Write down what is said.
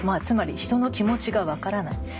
つまり人の気持ちが分からない。